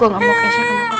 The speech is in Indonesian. gw nggak mau kesya kena ke